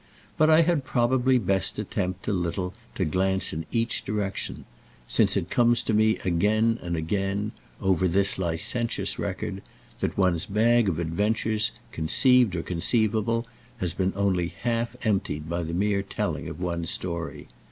But I had probably best attempt a little to glance in each direction; since it comes to me again and again, over this licentious record, that one's bag of adventures, conceived or conceivable, has been only half emptied by the mere telling of one's story.